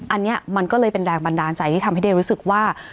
อันนี้มันก็เลยเป็นแรงบันดาลใจที่ทำให้เดย์รู้สึกว่า